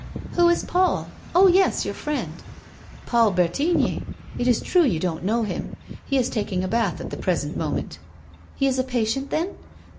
"Who is Paul? Oh, yes, your friend!" "Paul Bretigny. It is true you don't know him. He is taking a bath at the present moment." "He is a patient, then?"